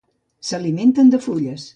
S'alimenten de fulles.